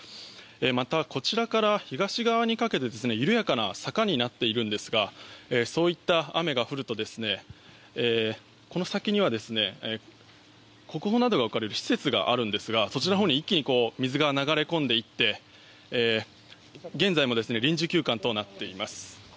また、こちらから東側にかけて緩やかな坂になっているんですがそういった雨が降るとこの先には国宝などが置かれる施設があるのですがそちらのほうに一気に水が流れ込んでいって現在も臨時休館となっています。